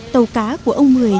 tàu cá của ông mười